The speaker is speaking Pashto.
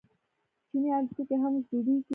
چیني الوتکې هم اوس جوړیږي.